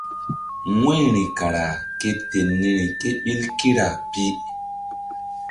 Wu̧yri kara ke ten niri ke ɓil kira pi.